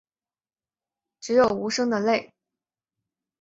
只有无声的泪